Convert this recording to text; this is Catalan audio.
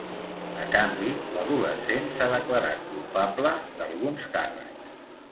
A canvi, l’adolescent s’ha declarat culpable d’alguns càrrecs.